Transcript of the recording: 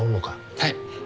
はい